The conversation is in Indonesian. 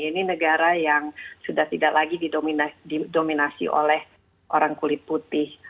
ini negara yang sudah tidak lagi didominasi oleh orang kulit putih